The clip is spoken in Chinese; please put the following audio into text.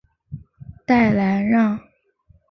代兰让。